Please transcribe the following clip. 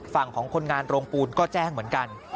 ฝั่งของคนงานโรงปูนก็แจ้งเหมือนกัน